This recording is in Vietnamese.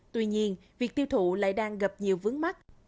tuy nhiên việc tiêu thụ lại đang gặp nhiều vướng mắt